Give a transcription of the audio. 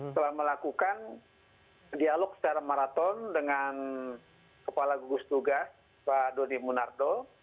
telah melakukan dialog secara maraton dengan kepala gugus tugas pak dodi munardo